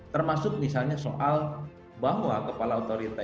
termasuk misalnya soal bahwa kepala otorita